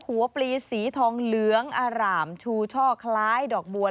ปลีสีทองเหลืองอร่ามชูช่อคล้ายดอกบัว